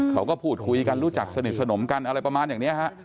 เขาก็พูดคุยกันรู้จักสนิทสนมกันอะไรประมาณอย่างนี้ฮะ